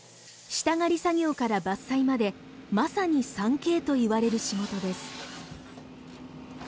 下刈り作業から伐採までまさに３Ｋといわれる仕事です。